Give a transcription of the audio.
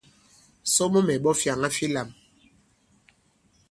Somo mɛ̀ ɓᴐ fyàŋa fi lām.